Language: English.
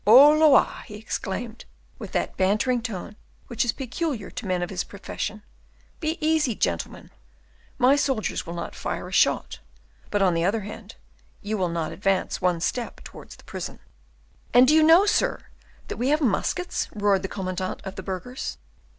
"Holloa!" he exclaimed, with that bantering tone which is peculiar to men of his profession; "be easy, gentlemen, my soldiers will not fire a shot; but, on the other hand, you will not advance by one step towards the prison." "And do you know, sir, that we have muskets?" roared the commandant of the burghers.